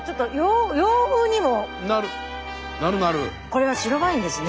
これは白ワインですね。